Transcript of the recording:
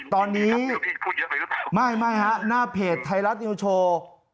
ตอนนี้ไม่ฮะหน้าเพจไทยรัฐนิวโชว์